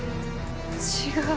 違う。